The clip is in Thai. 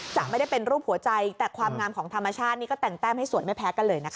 จะไม่ได้เป็นรูปหัวใจแต่ความงามของธรรมชาตินี่ก็แต่งแต้มให้สวยไม่แพ้กันเลยนะคะ